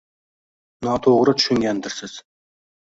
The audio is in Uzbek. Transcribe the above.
Noto`g`ri tushungandirsiz